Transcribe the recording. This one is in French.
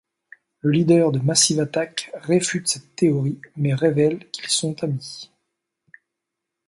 Le leader de Massive Attack réfute cette théorie mais révèle qu'ils sont amis.